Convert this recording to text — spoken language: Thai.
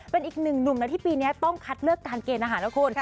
เป็นอีกหนึ่งหนุ่มนะที่ปีนี้ต้องคัดเลือกการเกณฑ์อาหารนะคุณ